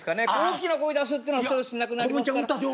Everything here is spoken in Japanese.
大きな声出すっていうのはストレスなくなりますから。